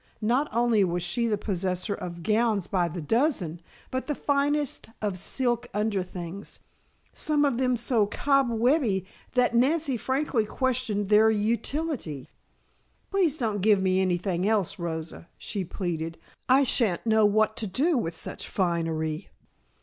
Not only was she the possessor of gowns by the dozen, but the finest of silk underthings, some of them so cob webby that Nancy frankly questioned their utility. "Please don't give me anything else, Rosa," she pleaded. "I shan't know what to do with such finery."